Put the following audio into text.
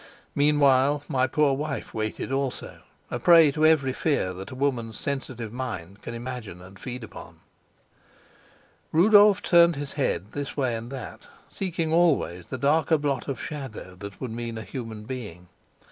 Meanwhile my poor wife waited also, a prey to every fear that a woman's sensitive mind can imagine and feed upon. Rudolf turned his head this way and that, seeking always the darker blot of shadow that would mean a human being.